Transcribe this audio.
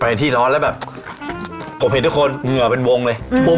ไอที่ร้อนแล้วแบบผมเห็นทุกคนเหงื่อเป็นวงเลย